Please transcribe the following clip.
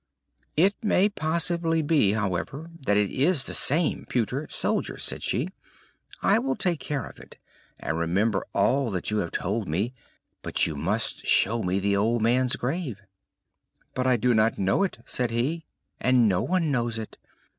"It may possibly be, however, that it is the same pewter soldier!" said she. "I will take care of it, and remember all that you have told me; but you must show me the old man's grave!" "But I do not know it," said he, "and no one knows it!